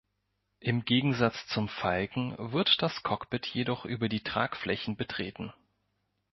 Im Gegensatz zum Falken wird das Cockpit jedoch über die Tragflächen betreten.